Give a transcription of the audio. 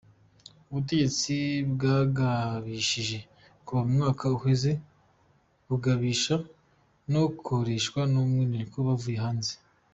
Ubutegetsi bwagabishije kuva mu mwaka uheze, bugabisha no kureshwa na ba maneko bavuye hanze.